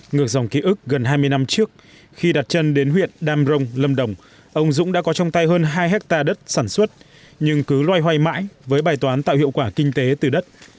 ngược dòng ký ức gần hai mươi năm trước khi đặt chân đến huyện đam rồng lâm đồng ông dũng đã có trong tay hơn hai hectare đất sản xuất nhưng cứ loay hoay mãi với bài toán tạo hiệu quả kinh tế từ đất